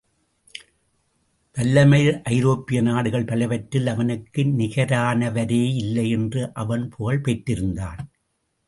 வல்லமையில் ஐரோப்பிய நாடுகள் பலவற்றில் அவனுக்கு நிகரானவரேயில்லை என்று அவன் புகழ் பெற்றிருந்தான்.